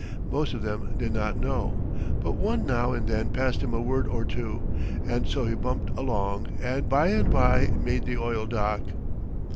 Most of them did not know, but one now and then passed him a word or two, and so he bumped along and by and by made the oil dock.